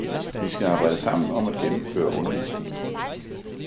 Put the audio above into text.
Vi skal arbejde sammen om at gennemføre undervisningen.